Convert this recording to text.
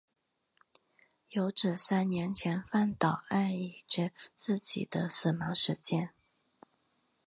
有指三年前饭岛爱已知自己的死亡时间。